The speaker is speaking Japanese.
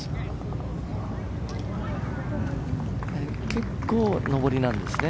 結構上りなんですね。